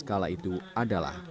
kala itu adalah